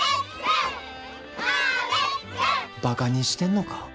ばかにしてんのか？